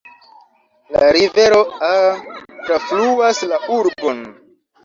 La rivero Aa trafluas la urbon.